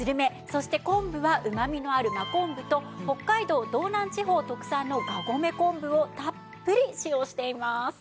そして昆布はうまみのある真昆布と北海道道南地方特産のがごめ昆布をたっぷり使用しています。